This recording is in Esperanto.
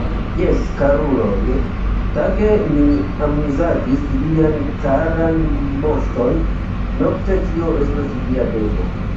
Jes, karuloj, tage ni amuzadis lian caran moŝton, nokte tio estos via devo.